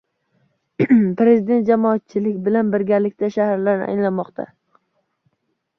Prezident jamoatchilik bilan birgalikda shahar aylanmoqda